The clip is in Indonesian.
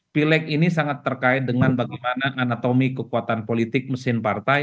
pileg ini sangat terkait dengan bagaimana anatomi kekuatan politik mesin partai